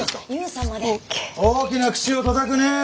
大きな口をたたくね。